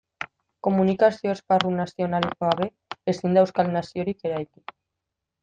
Komunikazio esparru nazionalik gabe, ezin da euskal naziorik eraiki.